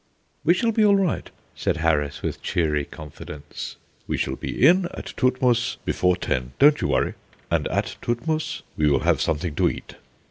"We shall be all right," said Harris, with cheery confidence. "We shall be in at Todtmoos before ten, don't you worry. And at Todtmoos we will have something to eat."